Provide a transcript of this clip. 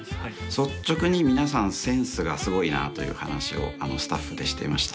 率直に皆さんセンスがすごいなという話をスタッフでしてました。